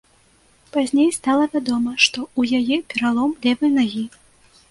Пазней стала вядома, што ў яе пералом левай нагі.